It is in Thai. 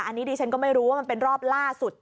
อันนี้ดิฉันก็ไม่รู้ว่ามันเป็นรอบล่าสุด